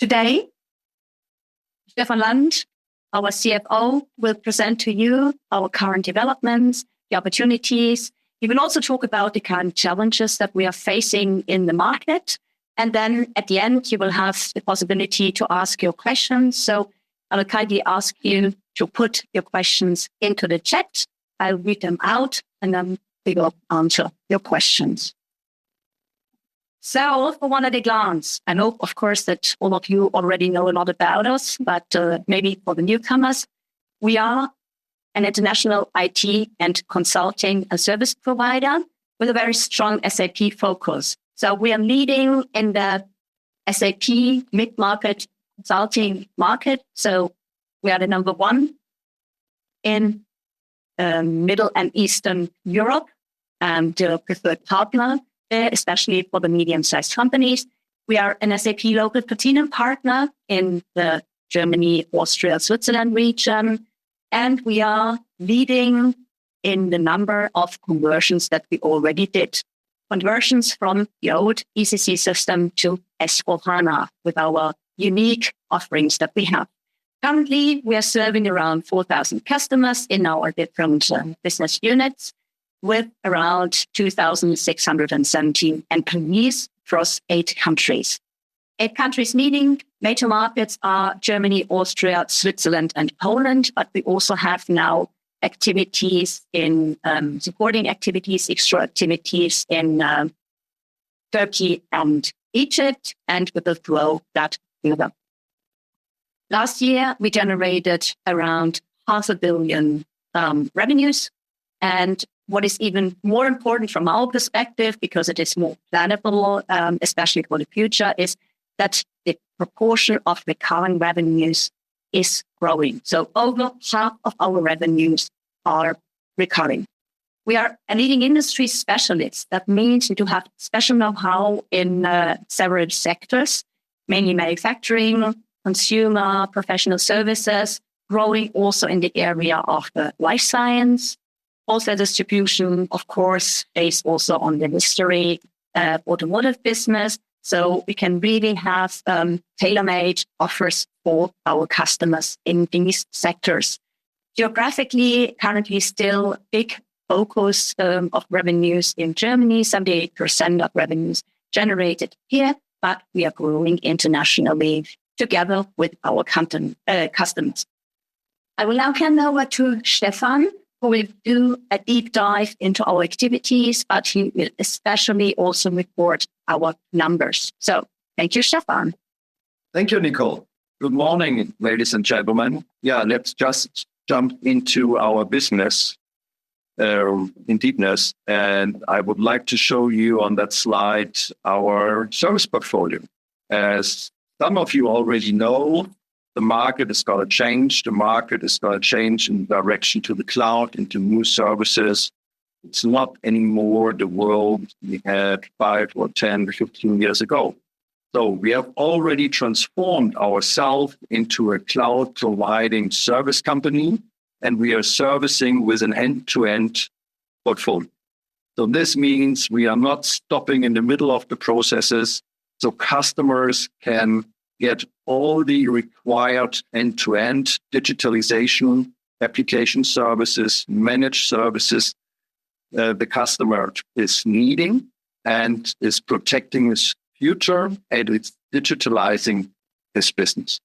Today, Stefan Land, our CFO, will present to you our current developments, the opportunities. He will also talk about the current challenges that we are facing in the market. I'll kindly ask you to put your questions into the chat. I'll read them out. Then we will answer your questions. All for One at a glance. I know, of course, that all of you already know a lot about us, but maybe for the newcomers, we are an international IT and consulting service provider with a very strong SAP focus. We are leading in the SAP mid-market consulting market. We are the number one in Middle and Eastern Europe and the preferred partner there, especially for the medium-sized companies. We are an SAP Local Platinum Partner in the Germany, Austria, Switzerland region. We are leading in the number of conversions that we already did. Conversions from the old ECC system to S/4HANA with our unique offerings that we have. Currently, we are serving around 4,000 customers in our different business units, with around 2,617 employees across 8 countries. 8 countries, meaning major markets are Germany, Austria, Switzerland, and Poland, but we also have now supporting activities, extra activities in Turkey and Egypt. We will grow that further. Last year, we generated around half a billion EUR revenues. What is even more important from our perspective, because it is more planable, especially for the future, is that the proportion of recurring revenues is growing. Over half of our revenues are recurring. We are a leading industry specialist. That means we do have special know-how in several sectors, mainly manufacturing, consumer, professional services, growing also in the area of the life science. Also distribution, of course, based also on the history of automotive business. We can really have tailor-made offers for our customers in these sectors. Geographically, currently still a big focus of revenues in Germany, 78% of revenues generated here. We are growing internationally together with our customers. I will now hand over to Stefan, who will do a deep dive into our activities. He will especially also report our numbers. Thank you, Stefan. Thank you, Nicole. Good morning, ladies and gentlemen. Let's just jump into our business in deepness. I would like to show you on that slide our service portfolio. As some of you already know, the market is going to change. The market is going to change in direction to the cloud and to new services. It's not any more the world we had five or 10, 15 years ago. We have already transformed ourselves into a cloud-providing service company. We are servicing with an end-to-end portfolio. This means we are not stopping in the middle of the processes. Customers can get all the required end-to-end digitalization application services, managed services the customer is needing, and is protecting its future, and it's digitalizing this business.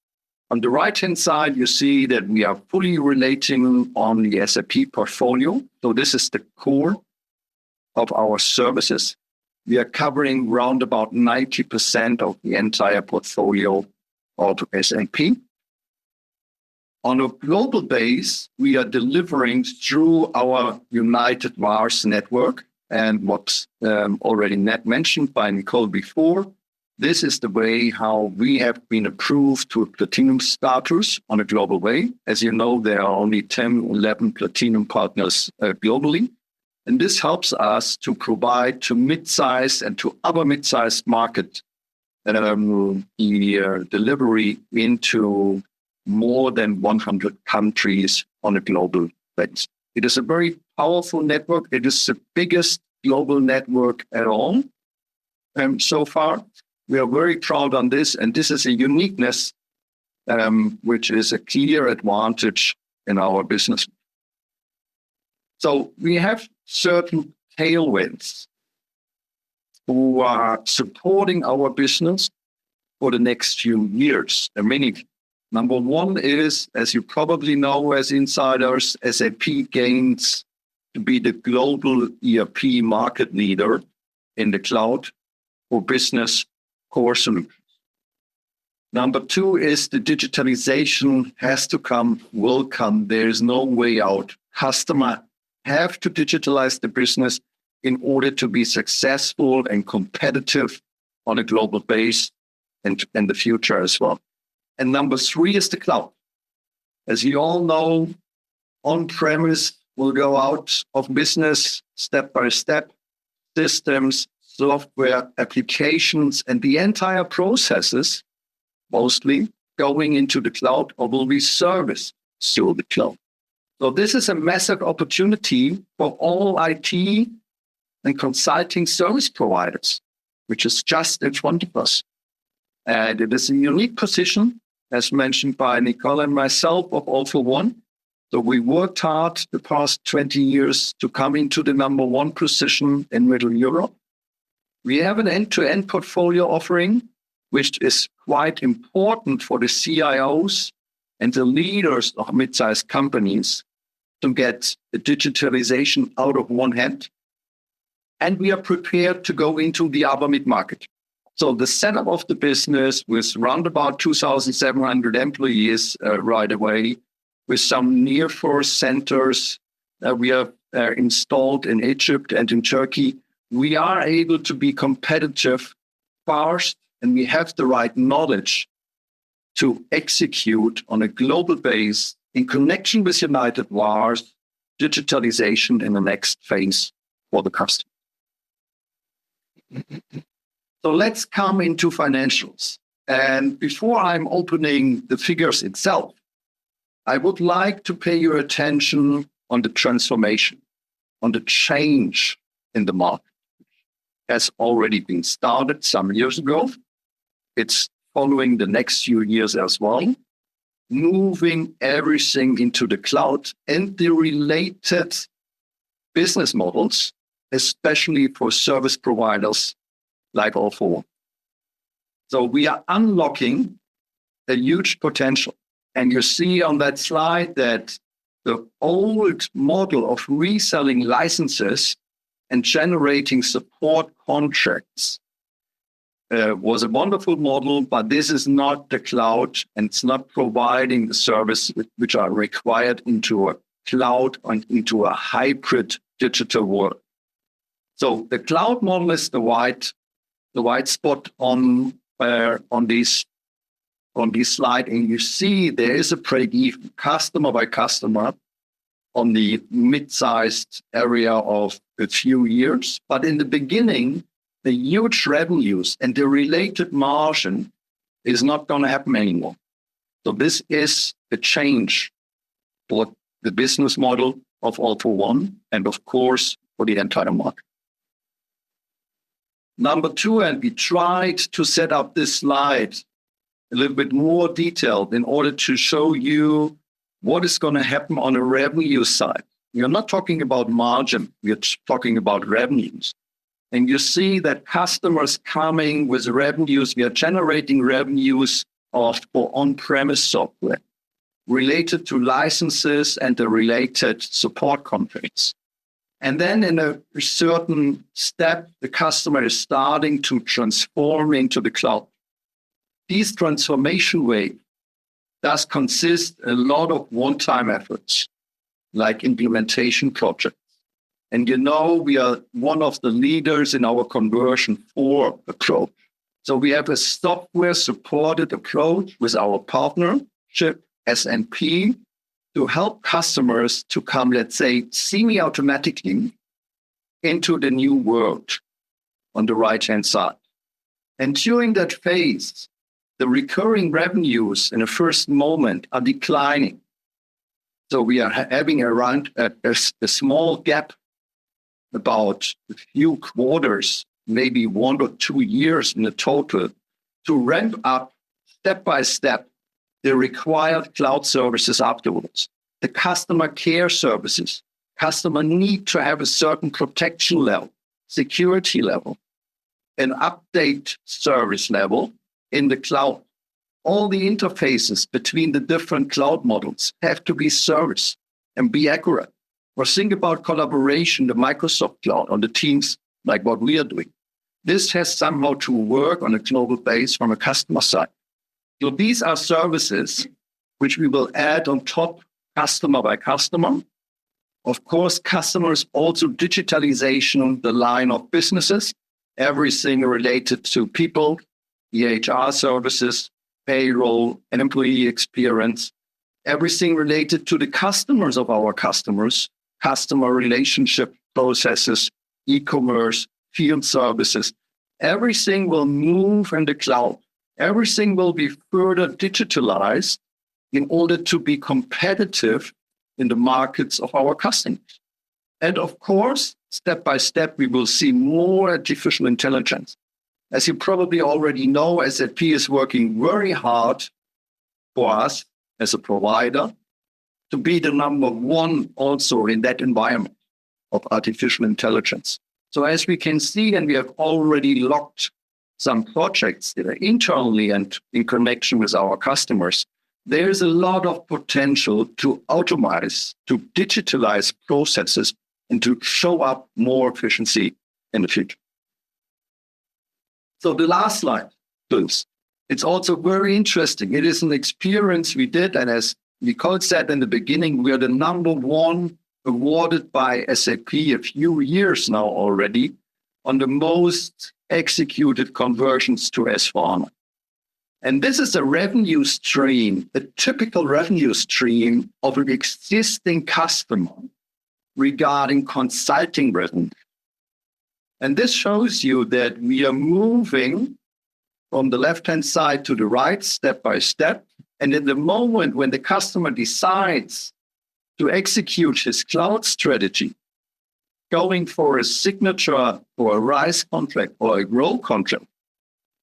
On the right-hand side, you see that we are fully relating on the SAP portfolio. This is the CORE of our services. We are covering around 90% of the entire portfolio of SAP. On a global base, we are delivering through our United VARs Network. What's already not mentioned by Nicole before, this is the way how we have been approved to Platinum status on a global way. As you know, there are only 10, 11 Platinum Partners globally. This helps us to provide to midsize and to other midsize market the delivery into more than 100 countries on a global base. It is a very powerful network. It is the biggest global network at all so far. We are very proud on this. This is a uniqueness, which is a clear advantage in our business. We have certain tailwinds who are supporting our business for the next few years. There are many. Number one is, as you probably know, as insiders, SAP gains to be the global ERP market leader in the cloud for business CORE solutions. Number two is the digitalization has to come, will come. There is no way out. Customer have to digitalize the business in order to be successful and competitive on a global base in the future as well. Number three is the cloud. As you all know, on-premise will go out of business step by step. Systems, software, applications, the entire processes mostly going into the cloud or will be serviced through the cloud. This is a massive opportunity for all IT and consulting service providers, which is just in front of us. It is a unique position, as mentioned by Nicole and myself of All for One, that we worked hard the past 20 years to come into the number one position in middle Europe. We have an end-to-end portfolio offering, which is quite important for the CIOs and the leaders of mid-sized companies to get the digitalization out of one hand. We are prepared to go into the other mid-market. The setup of the business with around 2,700 employees right away, with some nearshore centers that we have installed in Egypt and in Turkey. We are able to be competitive first. We have the right knowledge to execute on a global base in connection with United VARs, digitalization in the next phase for the customer. Let's come into financials. Before I'm opening the figures itself, I would like to pay your attention on the transformation, on the change in the market. It has already been started some years ago. It's following the next few years as well, moving everything into the cloud and the related business models, especially for service providers like All for One. We are unlocking a huge potential. You see on that slide that the old model of reselling licenses and generating support contracts was a wonderful model. This is not the cloud. It's not providing the service which are required into a cloud and into a hybrid digital world. The cloud model is the white spot on this slide. You see there is a pretty customer by customer on the mid-sized area of a few years. In the beginning, the huge revenues and the related margin is not going to happen anymore. This is the change for the business model of All for One and of course, for the entire market. Number 2, we tried to set up this slide a little bit more detailed in order to show you what is going to happen on the revenue side. We are not talking about margin, we are talking about revenues. You see that customers coming with revenues, we are generating revenues of on-premise software related to licenses and the related support contracts. In a certain step, the customer is starting to transform into the cloud. This transformation way does consist a lot of one-time efforts, like implementation projects. And you know we are one of the leaders in our conversion factory approach. We have a software-supported approach with our partnership, SNP, to help customers to come, let's say, semi-automatically into the new world on the right-hand side. During that phase, the recurring revenues in the first moment are declining. We are having around a small gap, about a few quarters, maybe one or two years in the total, to ramp up step by step, the required cloud services afterwards. The customer care services. Customer need to have a certain protection level, security level, an update service level in the cloud. All the interfaces between the different cloud models have to be serviced and be accurate. Or think about collaboration, the Microsoft Cloud on Microsoft Teams, like what we are doing. This has somehow to work on a global base from a customer side. These are services which we will add on top customer by customer. Of course, customers also digitalization the line of businesses, everything related to people, HR services, payroll, and employee experience, everything related to the customers of our customers, customer relationship processes, e-commerce, field services. Everything will move in the cloud. Everything will be further digitalized in order to be competitive in the markets of our customers. Of course, step by step, we will see more artificial intelligence. As you probably already know, SAP is working very hard for us as a provider to be the number one also in that environment of artificial intelligence. As we can see, and we have already locked some projects internally and in connection with our customers, there is a lot of potential to automize, to digitalize processes, and to show up more efficiency in the future. The last slide, please. It's also very interesting. It is an experience we did, as Nicole said in the beginning, we are the number one awarded by SAP a few years now already on the most executed conversions to S/4HANA. This is a revenue stream, a typical revenue stream of an existing customer regarding consulting revenue. This shows you that we are moving From the left-hand side to the right, step by step. In the moment when the customer decides to execute his cloud strategy, going for a signature or a RISE contract or a GROW contract,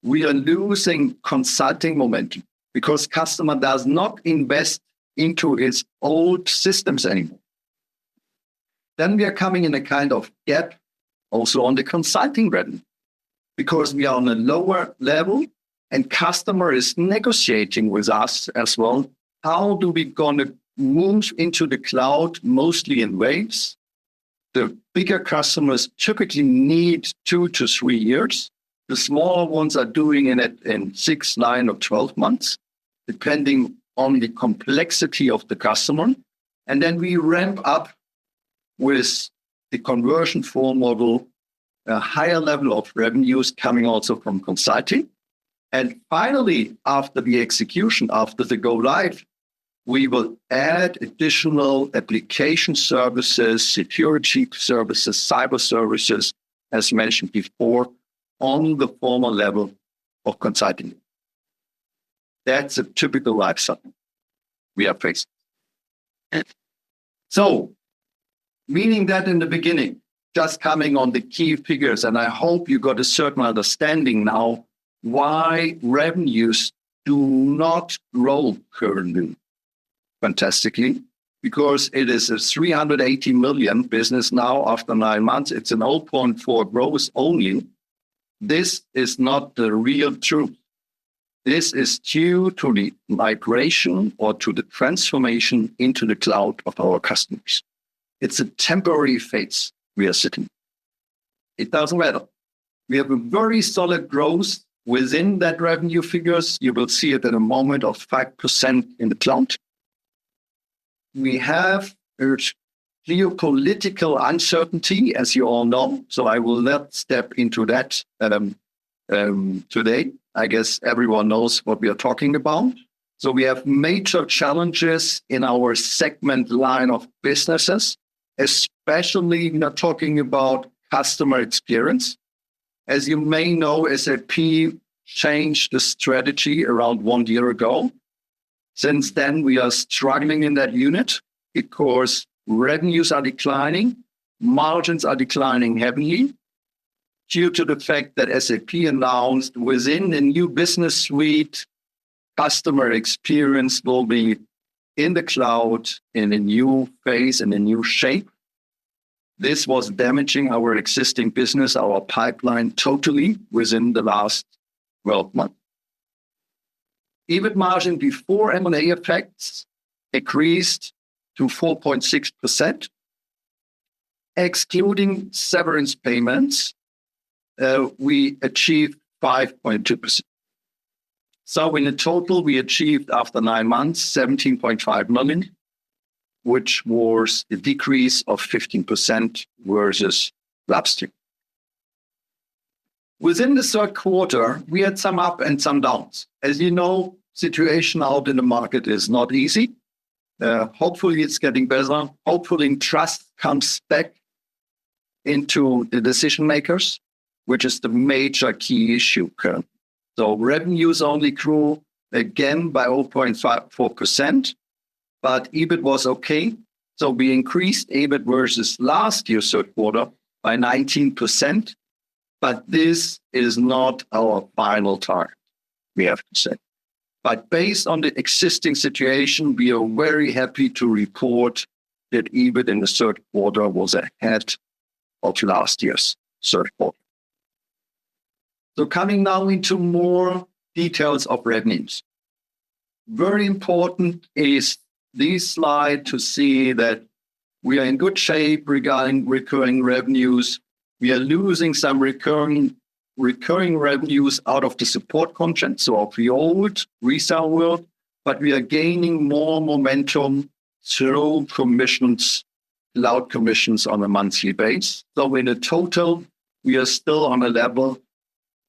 we are losing consulting momentum because customer does not invest into his old systems anymore. We are coming in a kind of gap also on the consulting revenue, because we are on a lower level and customer is negotiating with us as well. How do we going to move into the cloud? Mostly in waves. The bigger customers typically need two to three years. The smaller ones are doing it in six, nine, or 12 months, depending on the complexity of the customer. Then we ramp up with the conversion factory model, a higher level of revenues coming also from consulting. Finally, after the execution, after the go live, we will add additional application services, security services, cyber services, as mentioned before, on the former level of consulting. That's a typical lifecycle we are facing. Meaning that in the beginning, just coming on the key figures, and I hope you got a certain understanding now why revenues do not grow currently fantastically, because it is a 380 million business now after nine months. It's a 0.4% growth only. This is not the real truth. This is due to the migration or to the transformation into the cloud of our customers. It's a temporary phase we are sitting. It doesn't matter. We have a very solid growth within that revenue figures. You will see it in a moment of 5% in the cloud. We have geopolitical uncertainty, as you all know. I will not step into that today. I guess everyone knows what we are talking about. We have major challenges in our segment line of businesses, especially now talking about Customer Experience. As you may know, SAP changed the strategy around one year ago. Since then, we are struggling in that unit because revenues are declining, margins are declining heavily due to the fact that SAP announced within the new business suite, Customer Experience will be in the cloud, in a new phase, in a new shape. This was damaging our existing business, our pipeline, totally within the last 12 months. EBIT margin before M&A effects increased to 4.6%. Excluding severance payments, we achieved 5.2%. In a total, we achieved after nine months, 17.5 million, which was a decrease of 15% versus last year. Within the third quarter, we had some up and some downs. As you know, situation out in the market is not easy. Hopefully, it's getting better. Hopefully, trust comes back into the decision makers, which is the major key issue currently. Revenues only grew again by 0.4%, but EBIT was okay. We increased EBIT versus last year's third quarter by 19%. This is not our final target, we have to say. Based on the existing situation, we are very happy to report that EBIT in the third quarter was ahead of last year's third quarter. Coming now into more details of revenues. Very important is this slide to see that we are in good shape regarding recurring revenues. We are losing some recurring revenues out of the support content, so of the old resale world, but we are gaining more momentum through cloud commissions on a monthly base. In a total, we are still on a level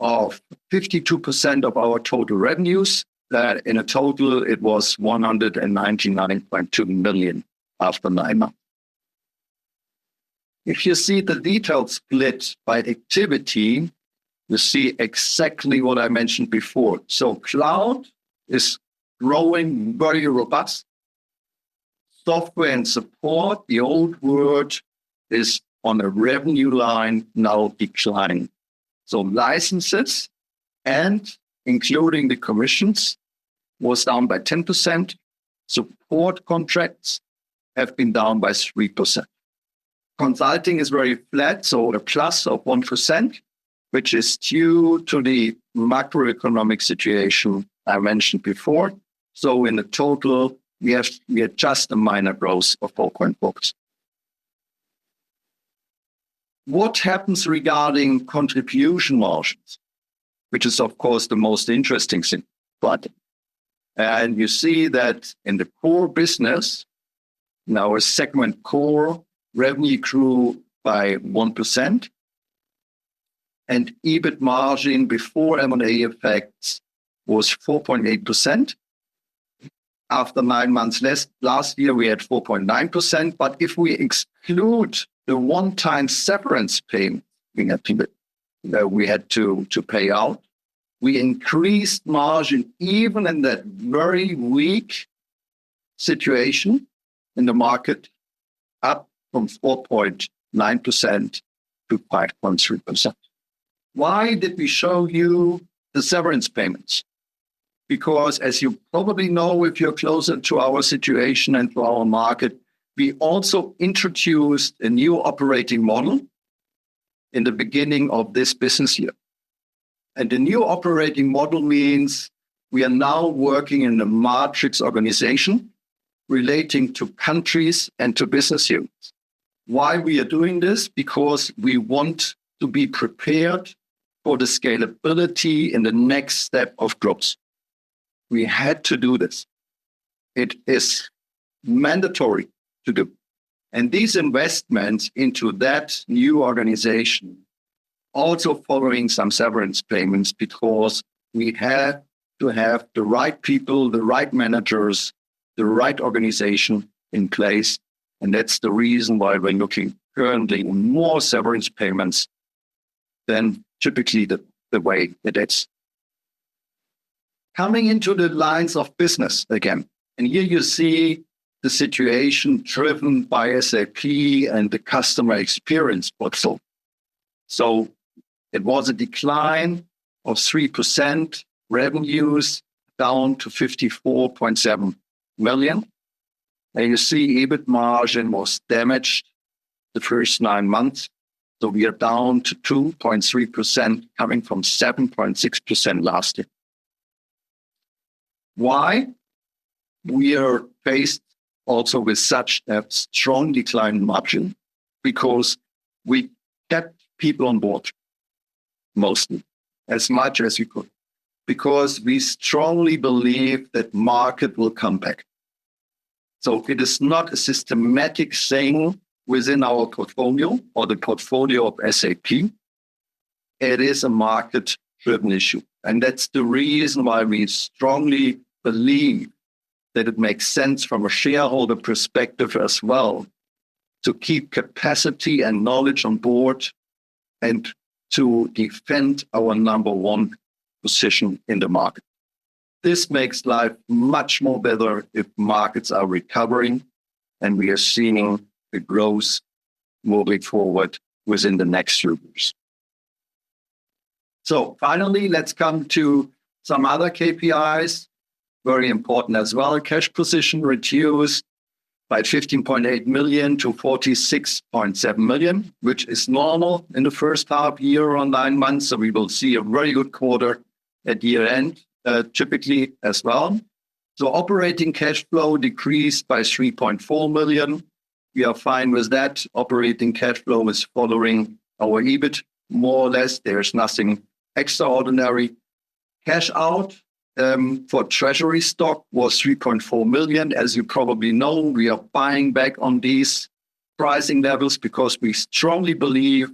of 52% of our total revenues. That in a total, it was 199.2 million after nine months. If you see the detail split by activity, you see exactly what I mentioned before. Cloud is growing very robust. Software and support, the old world, is on a revenue line now declining. Licenses and including the commissions was down by 10%. Support contracts have been down by 3%. Consulting is very flat, a plus of 1%, which is due to the macroeconomic situation I mentioned before. In total, we had just a minor growth of 4.4%. What happens regarding contribution margins, which is of course the most interesting thing. You see that in the CORE business, in our segment CORE, revenue grew by 1%, and EBIT margin before M&A effects was 4.8%. After nine months less. Last year we had 4.9%, but if we exclude the one-time severance payment that we had to pay out, we increased margin even in that very weak situation in the market, up from 4.9% to 5.3%. Why did we show you the severance payments? As you probably know, if you're closer to our situation and to our market, we also introduced a new operating model in the beginning of this business year. The new operating model means we are now working in a matrix organization relating to countries and to business units. Why we are doing this? We want to be prepared for the scalability in the next step of growth. We had to do this. It is mandatory to do. These investments into that new organization, also following some severance payments because we had to have the right people, the right managers, the right organization in place, and that's the reason why we're looking currently on more severance payments than typically the way that it's. Coming into the lines of business again, here you see the situation driven by SAP and the Customer Experience portal. It was a decline of 3% revenues down to 54.7 million. You see EBIT margin was damaged the first nine months. We are down to 2.3% coming from 7.6% last year. Why we are faced also with such a strong decline in margin? We kept people on board, mostly, as much as we could. We strongly believe that market will come back. It is not a systematic thing within our portfolio or the portfolio of SAP. It is a market-driven issue, and that's the reason why we strongly believe that it makes sense from a shareholder perspective as well to keep capacity and knowledge on board and to defend our number one position in the market. This makes life much more better if markets are recovering and we are seeing the growth moving forward within the next few years. Finally, let's come to some other KPIs. Very important as well. Cash position reduced by 15.8 million to 46.7 million, which is normal in the first half year or nine months. We will see a very good quarter at year-end, typically as well. Operating cash flow decreased by 3.4 million. We are fine with that. Operating cash flow is following our EBIT more or less. There is nothing extraordinary. Cash out for treasury stock was 3.4 million. As you probably know, we are buying back on these pricing levels because we strongly believe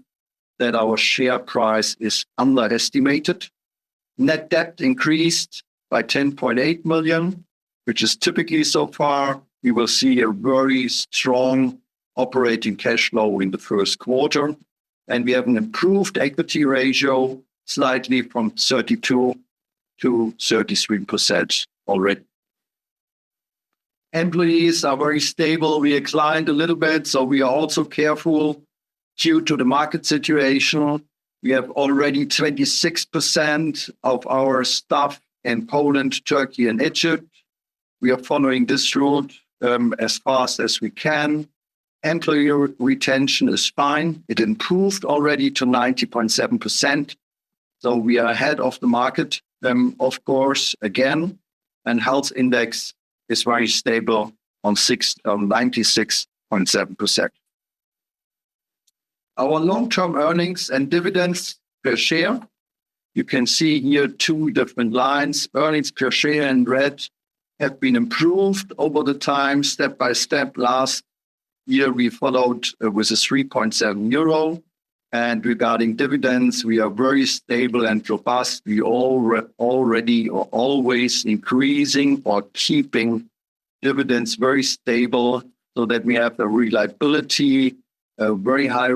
that our share price is underestimated. Net debt increased by 10.8 million, which is typically so far. We will see a very strong operating cash flow in the first quarter. We have an improved equity ratio slightly from 32% to 33% already. Employees are very stable. We declined a little bit, we are also careful due to the market situation. We have already 26% of our staff in Poland, Turkey, and Egypt. We are following this route as fast as we can. Employee retention is fine. It improved already to 90.7%. We are ahead of the market of course, again, and health index is very stable on 96.7%. Our long-term earnings and dividends per share, you can see here two different lines. Earnings per share in red have been improved over the time step by step. Last year we followed with a 3.7 euro. Regarding dividends, we are very stable and robust. We already are always increasing or keeping dividends very stable so that we have a very high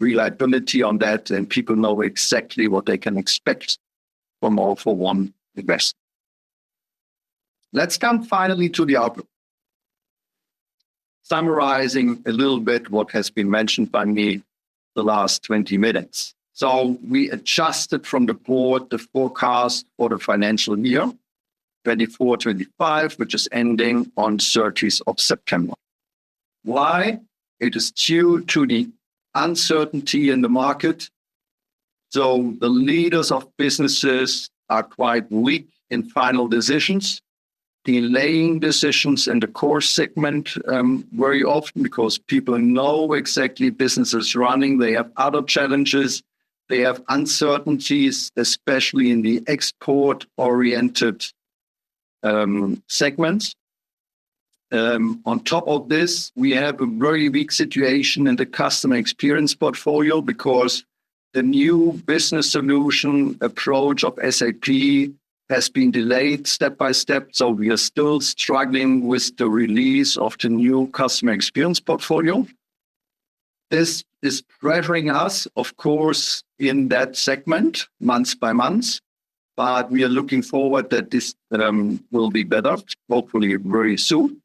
reliability on that, and people know exactly what they can expect from All for One investment. Let's come finally to the outlook. Summarizing a little bit what has been mentioned by me the last 20 minutes. We adjusted from the board the forecast for the financial year 2024, 2025, which is ending on 30th of September. Why? It is due to the uncertainty in the market. The leaders of businesses are quite weak in final decisions, delaying decisions in the CORE segment very often because people know exactly business is running. They have other challenges. They have uncertainties, especially in the export-oriented segments. On top of this, we have a very weak situation in the Customer Experience portfolio because the new business solution approach of SAP has been delayed step by step, we are still struggling with the release of the new Customer Experience portfolio. This is driving us, of course, in that segment month by month. We are looking forward that this will be better, hopefully very soon,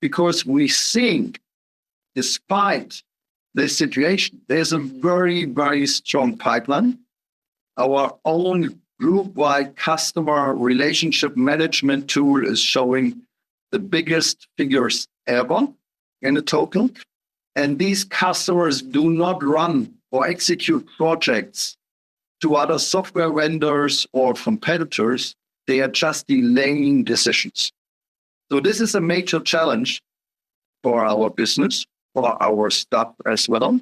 because we think despite the situation, there's a very strong pipeline. Our own group-wide customer relationship management tool is showing the biggest figures ever in the total. These customers do not run or execute projects to other software vendors or competitors, they are just delaying decisions. This is a major challenge for our business, for our staff as well.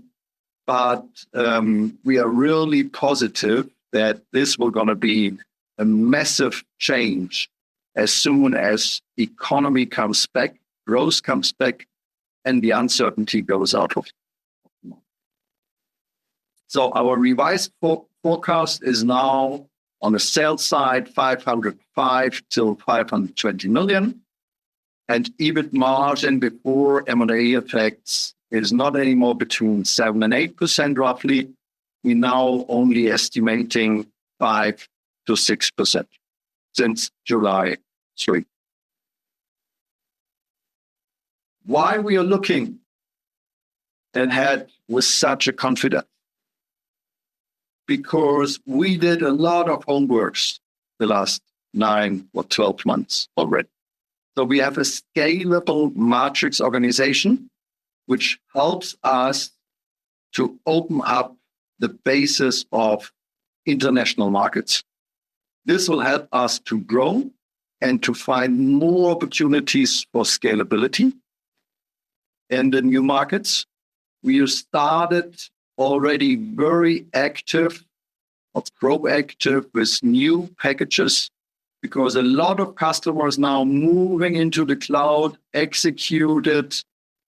We are really positive that this will going to be a massive change as soon as economy comes back, growth comes back, and the uncertainty goes out of the market. Our revised forecast is now on the sales side, 505 million to 520 million, and EBIT margin before M&A effects is not any more between 7%-8% roughly. We now only estimating 5%-6% since July 3. Why we are looking ahead with such a confidence? Because we did a lot of homework the last nine or 12 months already. We have a scalable matrix organization, which helps us to open up the basis of international markets. This will help us to grow and to find more opportunities for scalability in the new markets. We have started already very active or proactive with new packages because a lot of customers now moving into the cloud, executed,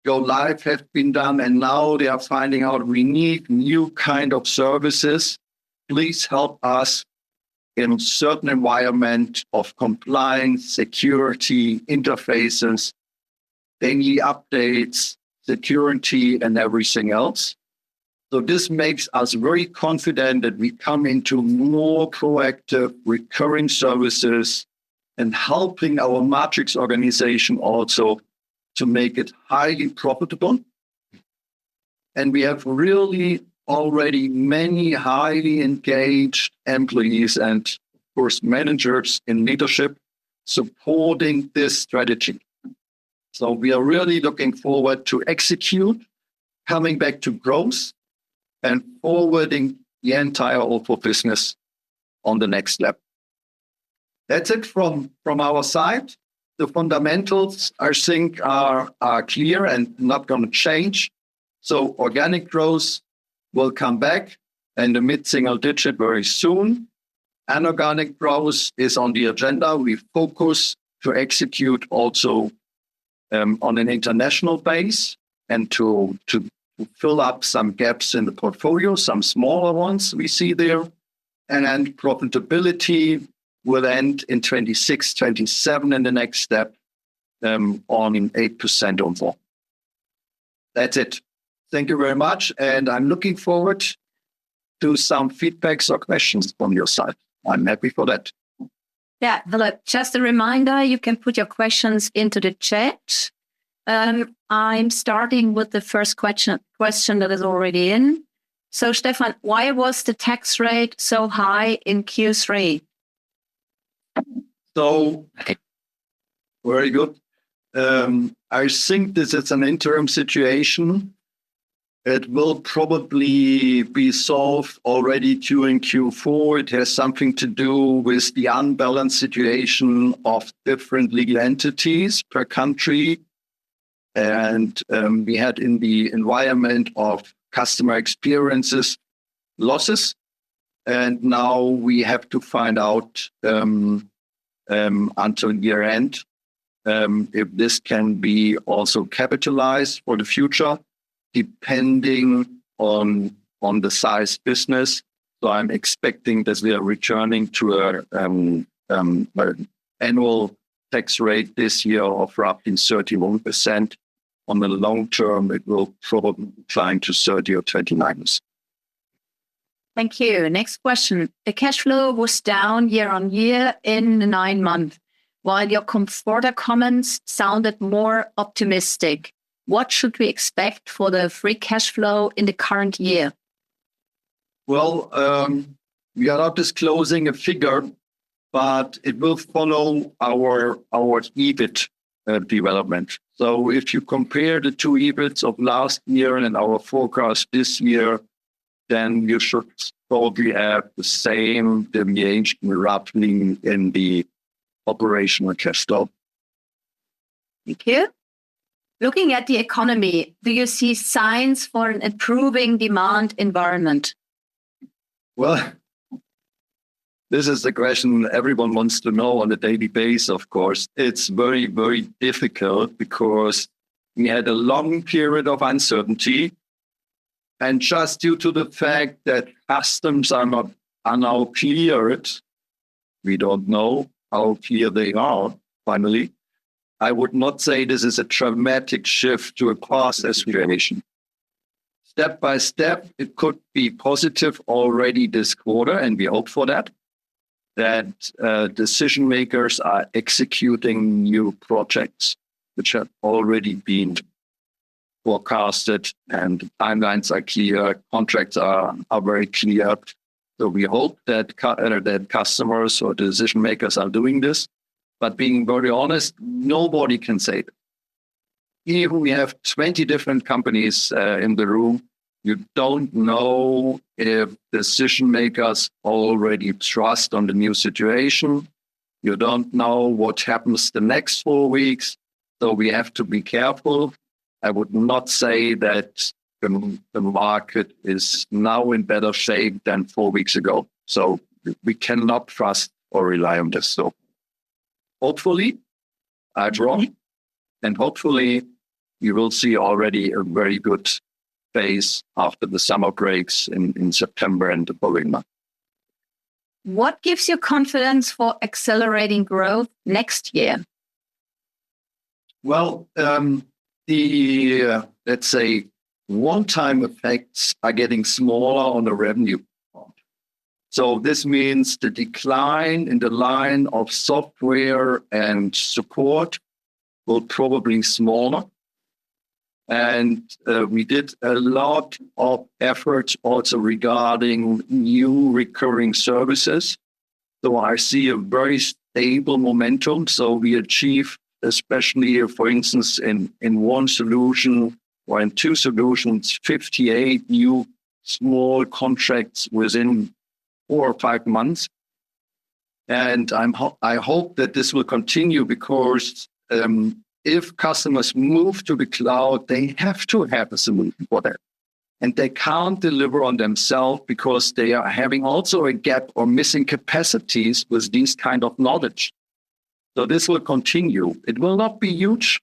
go live have been done, and now they are finding out we need new kind of services. Please help us in certain environment of compliance, security, interfaces. They need updates, security, and everything else. This makes us very confident that we come into more proactive recurring services and helping our matrix organization also to make it highly profitable. We have really already many highly engaged employees and of course, managers in leadership supporting this strategy. We are really looking forward to execute, coming back to growth, and forwarding the entire Office business on the next level. That's it from our side. The fundamentals I think are clear and not going to change. Organic growth will come back in the mid-single digit very soon. Inorganic growth is on the agenda. We focus to execute also on an international base and to fill up some gaps in the portfolio, some smaller ones we see there. Profitability will end in 2026, 2027, and the next step on in 8% or more. That's it. Thank you very much and I'm looking forward to some feedbacks or questions from your side. I'm happy for that. Yeah. Hello. Just a reminder, you can put your questions into the chat. I'm starting with the first question that is already in. Stefan, why was the tax rate so high in Q3? Very good. I think this is an interim situation. It will probably be solved already during Q4. It has something to do with the unbalanced situation of different legal entities per country. We had in the environment of Customer Experience losses, and now we have to find out until year-end if this can be also capitalized for the future depending on the size business. I'm expecting that we are returning to our annual tax rate this year of roughly 31%. On the long term, it will probably decline to 30% or 29%. Thank you. Next question. The cash flow was down year-over-year in the nine month, while your quarter comments sounded more optimistic. What should we expect for the free cash flow in the current year? Well, we are not disclosing a figure, but it will follow our EBIT development. If you compare the two EBITs of last year and our forecast this year, then you should probably have the same deviation roughly in the operational cash flow. Thank you. Looking at the economy, do you see signs for an improving demand environment? Well, this is the question everyone wants to know on a daily basis, of course. It's very difficult because we had a long period of uncertainty, and just due to the fact that customs are now clear, we don't know how clear they are finally. I would not say this is a dramatic shift to a cost situation. Step by step, it could be positive already this quarter, and we hope for that decision-makers are executing new projects which have already been forecasted and timelines are clear, contracts are very clear. We hope that customers or decision-makers are doing this. Being very honest, nobody can say that. Even we have 20 different companies in the room, you don't know if decision-makers already trust on the new situation. You don't know what happens the next four weeks, we have to be careful. I would not say that the market is now in better shape than four weeks ago. We cannot trust or rely on this. Hopefully, I'm wrong, and hopefully, you will see already a very good phase after the summer breaks in September and the following months. What gives you confidence for accelerating growth next year? Well, let's say one-time effects are getting smaller on the revenue. This means the decline in the line of software and support will probably be smaller. We did a lot of efforts also regarding new recurring services. I see a very stable momentum. We achieve, especially, for instance, in one solution or in two solutions, 58 new small contracts within four or five months. I hope that this will continue because if customers move to the cloud, they have to have a solution for that, and they can't deliver on themselves because they are having also a gap or missing capacities with this kind of knowledge. This will continue. It will not be huge.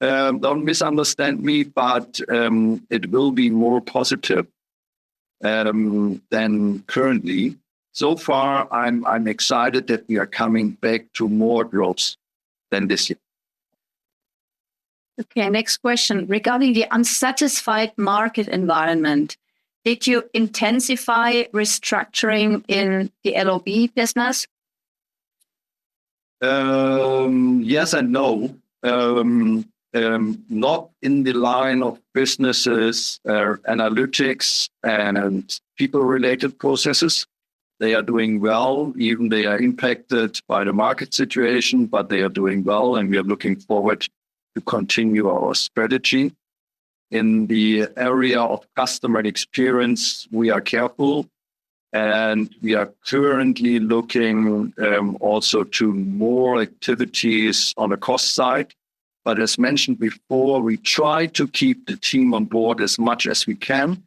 Don't misunderstand me, but it will be more positive than currently. So far, I'm excited that we are coming back to more growth than this year. Okay, next question. Regarding the unsatisfied market environment, did you intensify restructuring in the LOB business? Yes and no. Not in the line of businesses or analytics and people-related processes. They are doing well. Even they are impacted by the market situation, they are doing well, and we are looking forward to continue our strategy. In the area of Customer Experience, we are careful, and we are currently looking also to more activities on the cost side. As mentioned before, we try to keep the team on board as much as we can.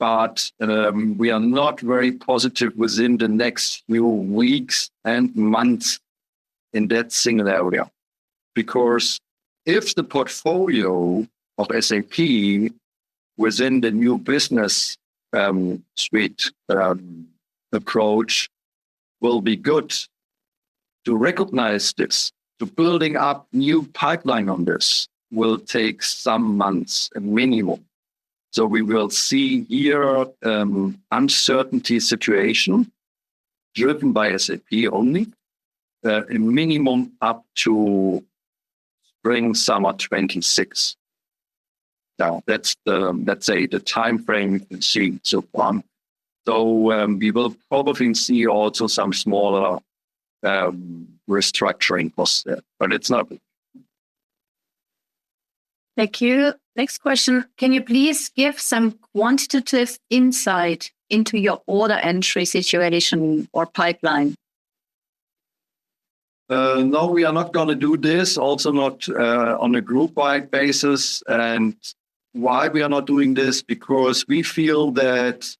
We are not very positive within the next few weeks and months in that singular area. If the portfolio of SAP within the new business suite approach will be good to recognize this, to building up new pipeline on this will take some months minimum. We will see here uncertainty situation driven by SAP only, a minimum up to spring, summer 2026. That's the timeframe we can see so far. We will probably see also some smaller restructuring process, but it's not big. Thank you. Next question. Can you please give some quantitative insight into your order entry situation or pipeline? No, we are not going to do this, also not on a group-wide basis. Why we are not doing this, because we feel that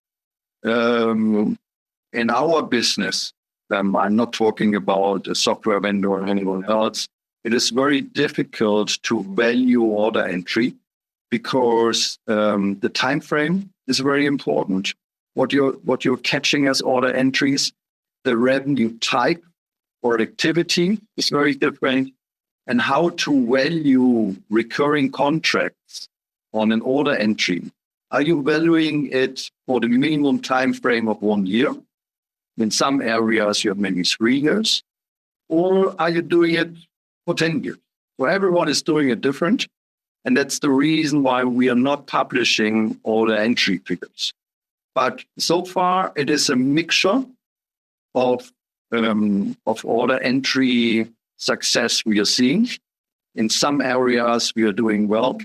in our business, I'm not talking about a software vendor or anyone else, it is very difficult to value order entry because the timeframe is very important. What you're catching as order entries, the revenue type or activity is very different, and how to value recurring contracts on an order entry. Are you valuing it for the minimum timeframe of one year? In some areas, you have maybe three years. Or are you doing it for 10 years? Well, everyone is doing it different, and that's the reason why we are not publishing order entry figures. So far it is a mixture of order entry success we are seeing. In some areas, we are doing well.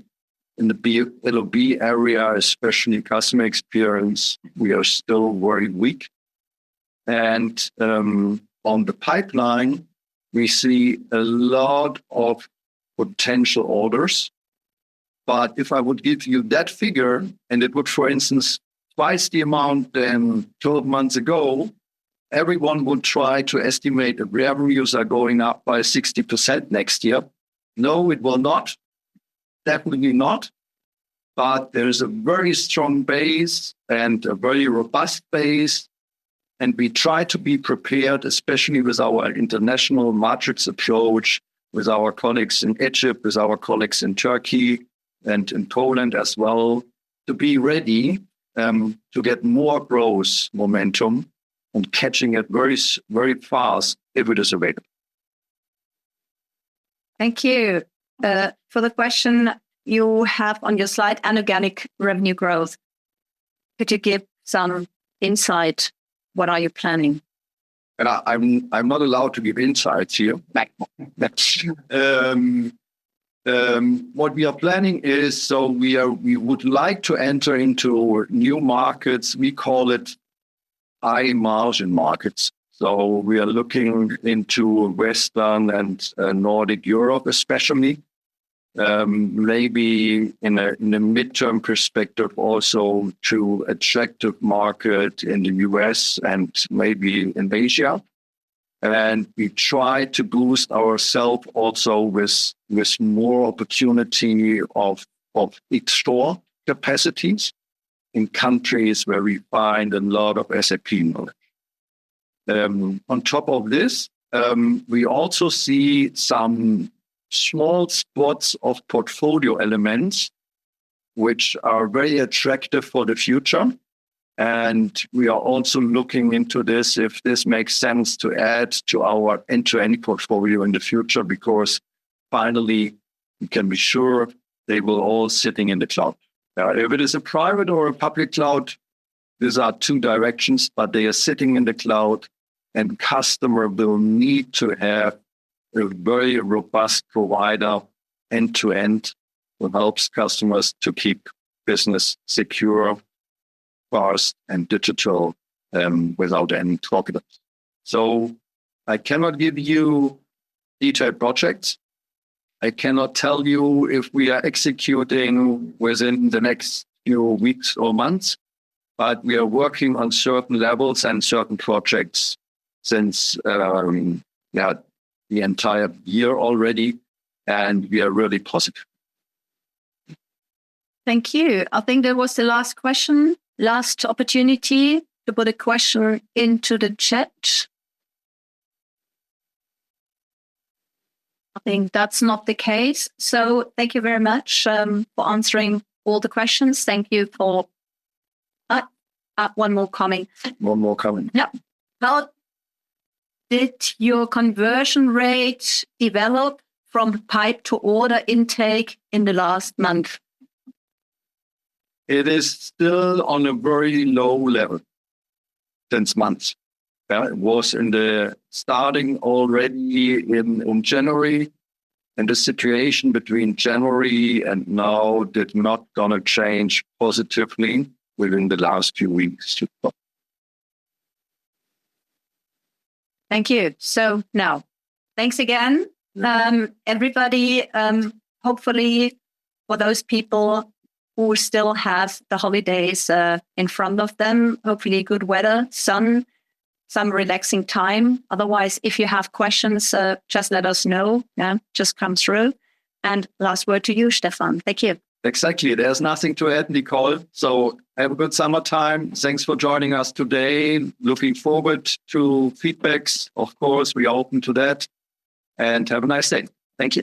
In the LOB area, especially Customer Experience, we are still very weak. On the pipeline, we see a lot of potential orders. If I would give you that figure and it was, for instance, twice the amount than 12 months ago, everyone would try to estimate that revenues are going up by 60% next year. No, it will not. Definitely not. There is a very strong base and a very robust base, and we try to be prepared, especially with our international markets approach, with our colleagues in Egypt, with our colleagues in Turkey and in Poland as well, to be ready to get more growth momentum and catching it very fast if it is available. Thank you. For the question you have on your slide, inorganic revenue growth, could you give some insight? What are you planning? I am not allowed to give insights here. Right. What we are planning is we would like to enter into new markets. We call it high-margin markets. We are looking into Western and Nordic Europe, especially. Maybe in the midterm perspective, also to attractive market in the U.S. and maybe in Asia. We try to boost ourself also with more opportunity of nearshore capacities in countries where we find a lot of SAP knowledge. On top of this, we also see some small spots of portfolio elements which are very attractive for the future. We are also looking into this, if this makes sense to add to our end-to-end portfolio in the future because finally we can be sure they will all sitting in the cloud. If it is a private or a public cloud, these are two directions. They are sitting in the cloud and customer will need to have a very robust provider end to end that helps customers to keep business secure, fast, and digital, without any problems. I cannot give you detailed projects. I cannot tell you if we are executing within the next few weeks or months. We are working on certain levels and certain projects since the entire year already. We are really positive. Thank you. I think that was the last question. Last opportunity to put a question into the chat. I think that's not the case, so thank you very much for answering all the questions. One more coming. One more coming. Yep. How did your conversion rate develop from pipe to order intake in the last month? It is still on a very low level since months. It was in the starting already in January, and the situation between January and now did not going to change positively within the last few weeks. Thank you. Now, thanks again. Everybody, hopefully for those people who still have the holidays in front of them, hopefully good weather, sun, some relaxing time. Otherwise, if you have questions, just let us know. Just come through. Last word to you, Stefan. Thank you. Exactly. There's nothing to add, Nicole. Have a good summertime. Thanks for joining us today. Looking forward to feedback. Of course, we're open to that. Have a nice day. Thank you